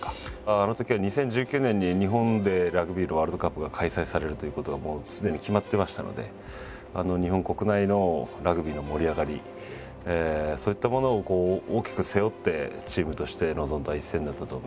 あのときは２０１９年に日本でラグビーのワールドカップが開催されるということがもうすでに決まってましたので日本国内のラグビーの盛り上がりそういったものを大きく背負ってチームとして臨んだ一戦だったと思います。